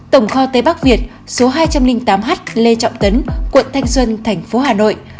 tổng kho tây bắc việt số hai trăm linh tám h lê trọng tấn quận thanh xuân thành phố hà nội